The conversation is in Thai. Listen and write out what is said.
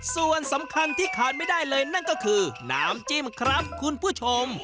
ส่วนสำคัญที่ขาดไม่ได้เลยนั่นก็คือน้ำจิ้มครับคุณผู้ชม